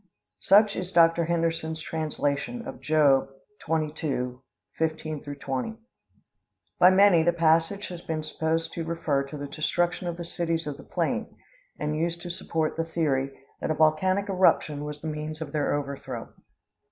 Such is Dr. Henderson's translation of Job XXII, 15 20. By many the passage has been supposed to refer to the destruction of the cities of the plain, and used to support the theory that a volcanic eruption was the means of their overthrow.